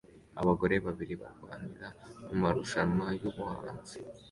Abagore babiri barwanira mumarushanwa yubuhanzi